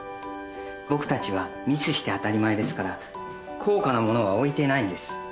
僕たちはミスして当たり前ですから高価なものは置いてないんです。